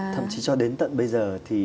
thậm chí cho đến tận bây giờ thì